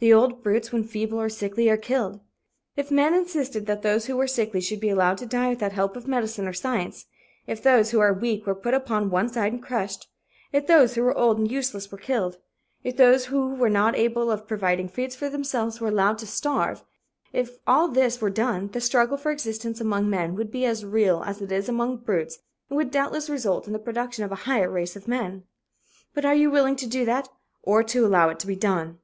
The old brutes, when feeble or sickly, are killed. If men insisted that those who were sickly should be allowed to die without help of medicine or science, if those who are weak were put upon one side and crushed, if those who were old and useless were killed, if those who were not capable of providing food for themselves were allowed to starve, if all this were done, the struggle for existence among men would be as real as it is among brutes and would doubtless result in the production of a higher race of men. "But are you willing to do that or to allow it to be done?"